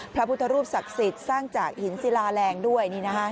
พระพุทธรูปศักดิ์สิทธิ์สร้างจากหินศิลาแรงด้วย